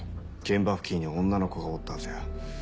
現場付近に女の子がおったはずや。